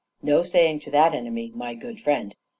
No saying to that enemy, 'My good friend.'